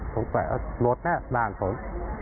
ผมแปะเออหมดแล้วบ้านผม